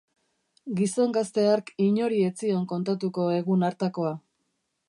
Gizon gazte hark inori ez zion kontatuko egun hartakoa.